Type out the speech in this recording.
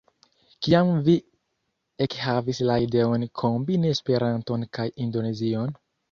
Kiam vi ekhavis la ideon kombini Esperanton kaj Indonezion?